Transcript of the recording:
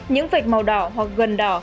những vạch màu đỏ hoặc gần đỏ